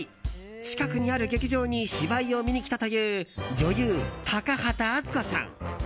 近くにある劇場に芝居を見に来たという女優・高畑淳子さん。